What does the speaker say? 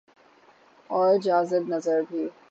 اورجاذب نظربھی۔